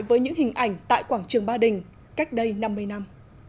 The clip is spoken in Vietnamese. với những hình ảnh tại quảng trường ba đình cách đây năm mươi năm